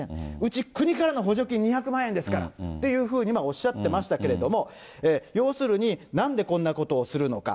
内、国からの補助金２００万円ですからっていうふうにおっしゃってましたけど、要するに、なんでこんなことをするのか。